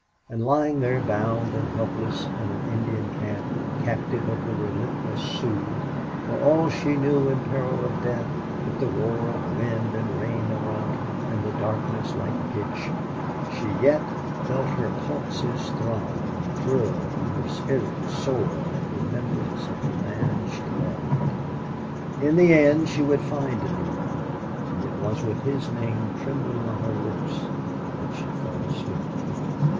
And lying there bound and helpless in an Indian camp, captive of the relentless Sioux, for all she knew in peril of death, with the roar of wind and rain around her, and the darkness like pitch, she yet felt her pulses throb and thrill and her spirit soar at remembrance of the man she loved. In the end she would find Neale; and it was with his name trembling on her lips that she fell asleep.